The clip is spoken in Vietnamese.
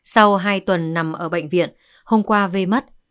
sau hai tuần nằm ở bệnh viện hôm qua vê mất